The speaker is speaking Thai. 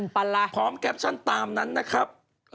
พร้อมแคปชั่นตามนั้นนะครับ